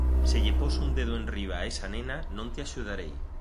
Se lle pos un dedo enriba a esa nena, non te axudarei.